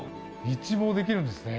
一望できるんですね。